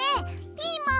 ピーマン。